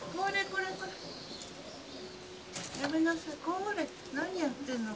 これ何やってんの。